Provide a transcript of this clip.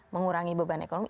mengurangi beban ekonomi